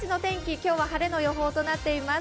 今日は晴れの予報となっています。